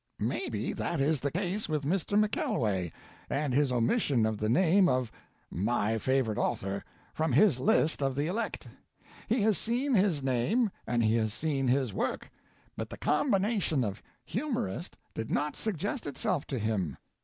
"Maybe that is the case with Mr. McKelway and his omission of the name of my favorite author, from his list of the elect. He has seen his name and he has seen his work, but the combination of "humorist" did not suggest itself to him.